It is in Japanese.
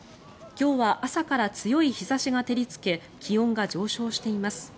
今日は朝から強い日差しが照りつけ気温が上昇しています。